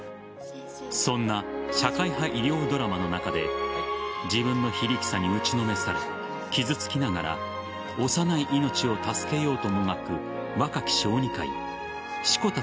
そんな社会派医療ドラマの中で自分の非力さに打ちのめされ傷つきながら幼い命を助けようともがく若き小児科医志子田